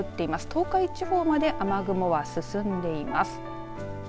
東海地方まで雨雲は進んでいます。